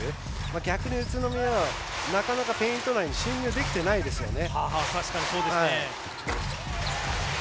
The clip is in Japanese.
逆に宇都宮はなかなかペイントエリア内に進入できてないですよね。